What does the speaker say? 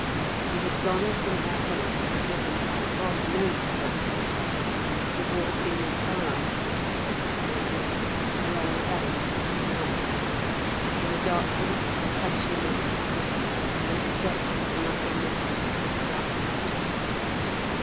She had gone from her home, driven by God knows what impulse, to walk in the starlight there was no moon along the banks of the canal. In the darkness, had she missed her footing and stepped into nothingness and the black water?